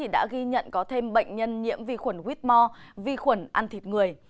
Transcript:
đã ghi nhận có thêm bệnh nhân nhiễm vi khuẩn whitmore vi khuẩn ăn thịt người